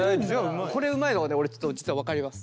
これうまいのはね俺実は分かります。